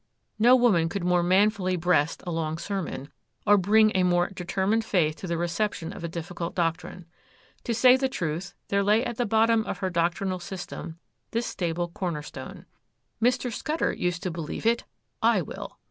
No woman could more manfully breast a long sermon, or bring a more determined faith to the reception of a difficult doctrine. To say the truth, there lay at the bottom of her doctrinal system this stable corner stone,—'Mr. Scudder used to believe it,—I will.